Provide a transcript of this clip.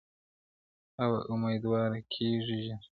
او اميدواره کيږي ژر.